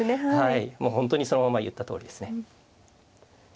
もう本当にそのまま言ったとおりですね。